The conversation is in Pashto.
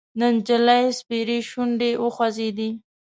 د نجلۍ سپېرې شونډې وخوځېدې: